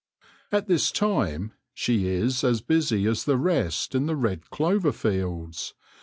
At this time she is as busy as the rest in the red clover fields.